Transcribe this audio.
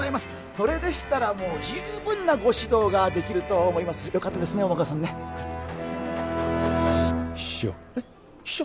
それでしたらもう十分なご指導ができると思いますよかったですねお孫さんねよかった秘書えっ秘書？